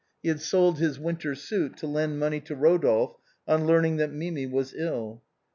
He had sold his winter suit to lend money to Eodolphe on learning that Mimi was ill.